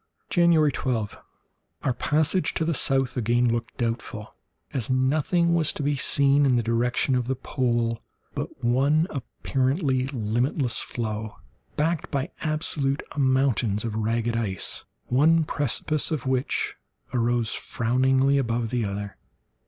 January 12.—Our passage to the south again looked doubtful, as nothing was to be seen in the direction of the pole but one apparently limitless floe, backed by absolute mountains of ragged ice, one precipice of which arose frowningly above the other.